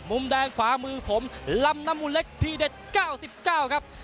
มุมแดงขวามือผมลำน้ำมูลเล็กทีเด็ด๙๙ครับ